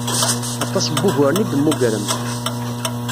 Aṭas n wuguren i d-temmugrem.